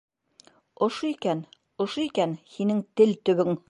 — Ошо икән, ошо икән һинең тел төбөң!